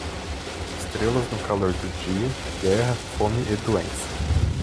Estrelas no calor do dia, guerra, fome e doença.